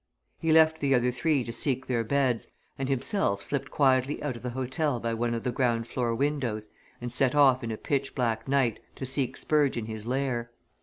He left the other three to seek their beds, and himself slipped quietly out of the hotel by one of the ground floor windows and set off in a pitch black night to seek Spurge in his lair.